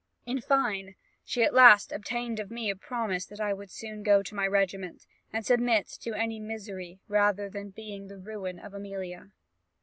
In fine, she at last obtained of me a promise that I would soon go to my regiment, and submit to any misery rather than that of being the ruin of Amelia.